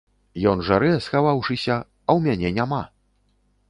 Ён жарэ, схаваўшыся, а ў мяне няма.